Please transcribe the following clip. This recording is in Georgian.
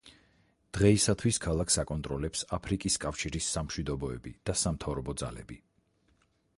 დღეისათვის ქალაქს აკონტროლებს აფრიკის კავშირის სამშვიდობოები და სამთავრობო ძალები.